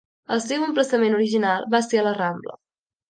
El seu emplaçament original va ser a la Rambla.